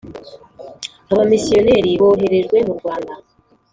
Abamisiyoneri boherejwe mu Rwanda